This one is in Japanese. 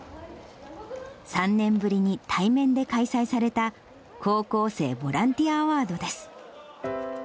３年ぶりに対面で開催された高校生ボランティア・アワードです。